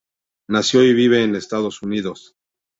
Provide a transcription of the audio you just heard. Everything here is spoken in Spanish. Nació y vive en Estados Unidos.